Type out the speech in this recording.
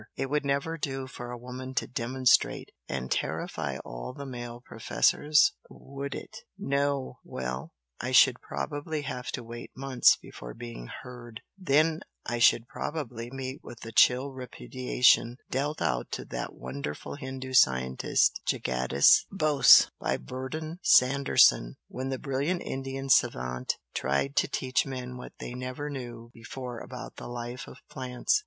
it would never do for a woman to 'demonstrate' and terrify all the male professors, would it! No! well, I should probably have to wait months before being 'heard,' then I should probably meet with the chill repudiation dealt out to that wonderful Hindu scientist, Jagadis Bose, by Burdon Sanderson when the brilliant Indian savant tried to teach men what they never knew before about the life of plants.